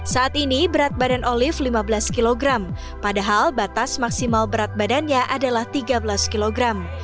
saat ini berat badan olive lima belas kg padahal batas maksimal berat badannya adalah tiga belas kg